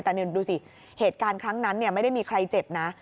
แต่ดูสิเหตุการณ์ครั้งนั้นไม่ได้มีใครเจ็บนะ